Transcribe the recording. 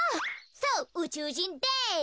そううちゅうじんです。